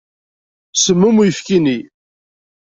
Semmum uyefki-nni.